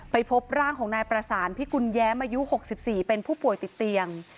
พบร่างของนายประสานพิกุลแย้มอายุ๖๔เป็นผู้ป่วยติดเตียง